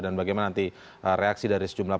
dan bagaimana nanti reaksi dari sejumlah